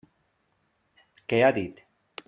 Què ha dit?